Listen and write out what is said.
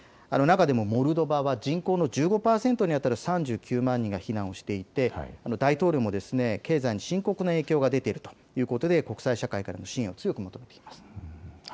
中でもモルドバは人口の１５％にあたる３９万人が避難をしていて大統領も経済に深刻な影響が出ているということで国際社会からの支援を強く求めています。